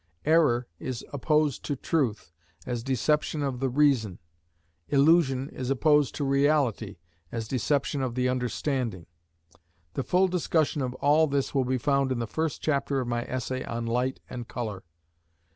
Error is opposed to truth, as deception of the reason: illusion is opposed to reality, as deception of the understanding. The full discussion of all this will be found in the first chapter of my essay on Light and Colour.